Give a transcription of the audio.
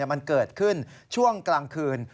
มันเกิดขึ้นช่วงกลางคืน